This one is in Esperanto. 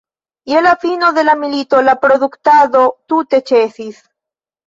Je la fino de la milito la produktado tute ĉesis.